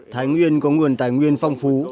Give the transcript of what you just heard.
thái nguyên có nguồn tài nguyên phong phú